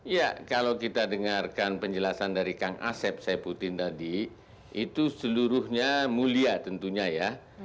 ya kalau kita dengarkan penjelasan dari kang asep saiputin tadi itu seluruhnya mulia tentunya ya